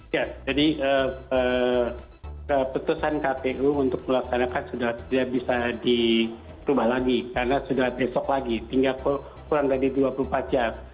ya jadi keputusan kpu untuk melaksanakan sudah tidak bisa dirubah lagi karena sudah besok lagi tinggal kurang dari dua puluh empat jam